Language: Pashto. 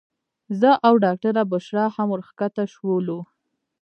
زه او ډاکټره بشرا هم ورښکته شولو.